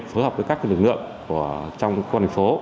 phối hợp với các lực lượng trong quân phố